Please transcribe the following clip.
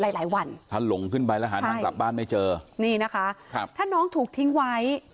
หลายหลายวันถ้าหลงขึ้นไปแล้วหาทางกลับบ้านไม่เจอนี่นะคะครับถ้าน้องถูกทิ้งไว้